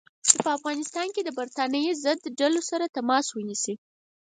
چې په افغانستان کې د برټانیې ضد ډلو سره تماس ونیسي.